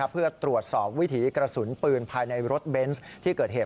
เพื่อตรวจสอบวิถีกระสุนปืนภายในรถเบนส์ที่เกิดเหตุ